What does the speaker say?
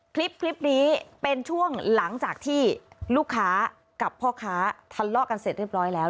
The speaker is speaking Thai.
คลิปนี้เป็นช่วงหลังจากที่ลูกค้ากับพ่อค้าทะเลาะกันเสร็จเรียบร้อยแล้ว